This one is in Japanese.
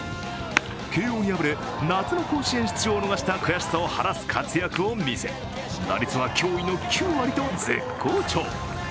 慶応に敗れ夏の甲子園出場を逃した悔しさを晴らす活躍を見せ打率は驚異の９割と絶好調。